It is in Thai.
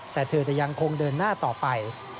แต่เธอจะยังคงเดินหน้าต่อไป